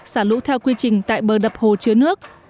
xả lũ theo quy trình tại bờ đập hồ chứa nước